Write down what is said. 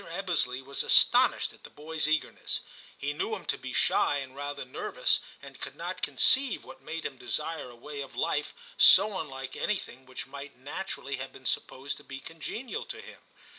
Ebbesley was astonished at the boy*s eager ness ; he knew him to be shy and rather nervous, and could not conceive what made him desire a way of life so unlike anything which might naturally have been supposed to be congenial to him.